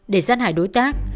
để sát hại đối tác